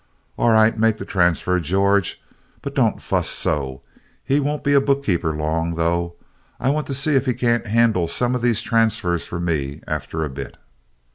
"All right, make the transfer, George, but don't fuss so. He won't be a bookkeeper long, though. I want to see if he can't handle some of these transfers for me after a bit."